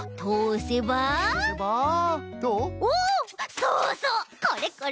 そうそうこれこれ！